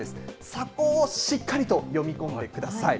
そこをしっかりと読み込んでください。